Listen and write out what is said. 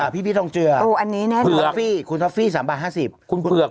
พี่ต้องเจออันนี้แน่นอนอันนี้เปือก